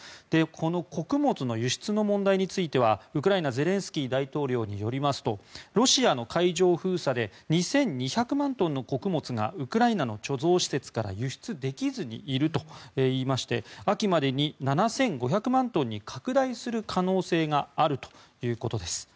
この穀物の輸出の問題についてはウクライナのゼレンスキー大統領によりますとロシアの海上封鎖で２２００万トンの穀物がウクライナの貯蔵施設から輸出できずにいるといいまして秋までに７５００万トンに拡大する可能性があるということです。